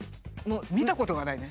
見たことがないね。